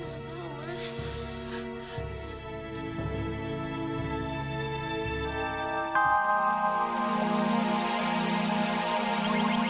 ya allah gini kenapa bisa begini